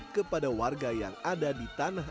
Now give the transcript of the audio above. kepada warga yang ada di tanah